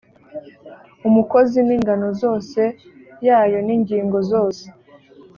umukozi n ingano zose yayo n ingingo zose